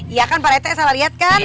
iya kan pak rete salah lihat kan